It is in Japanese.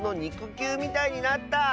きゅうみたいになった！」。